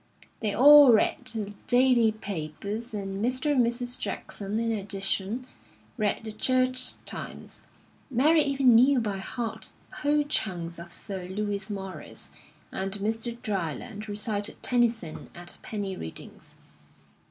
They all read the daily papers, and Mr. and Mrs. Jackson, in addition, read the Church Times. Mary even knew by heart whole chunks of Sir Lewis Morris, and Mr. Dryland recited Tennyson at penny readings.